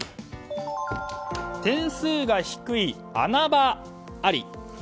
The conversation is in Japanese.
点数が低い穴場あり。